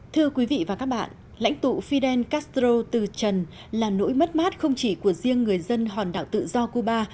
thưa quý vị và các bạn lãnh tụ fidel castro từ trần là nỗi mất mát không chỉ của riêng người dân hòn đảo tự do cuba